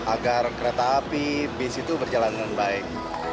agar kereta api di situ berjalan dengan baik